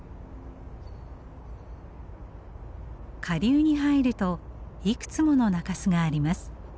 下流に入るといくつもの中州があります。